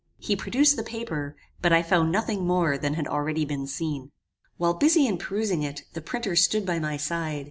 He produced the paper, but I found nothing more than had already been seen. While busy in perusing it, the printer stood by my side.